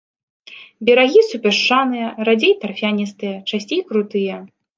Берагі супясчаныя, радзей тарфяністыя, часцей крутыя.